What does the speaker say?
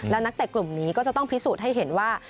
และนักเตะกลุ่มนี้ก็จะต้องพิสูจน์ให้เห็นว่า